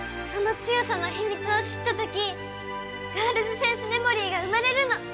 その強さの秘密を知ったときガールズ×戦士メモリーが生まれるの。